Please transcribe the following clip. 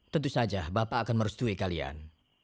tentu saja bapak akan merestui kalian